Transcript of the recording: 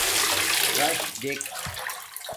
راش دیک